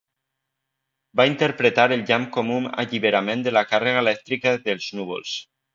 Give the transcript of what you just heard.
Va interpretar el llamp com un alliberament de la càrrega elèctrica dels núvols.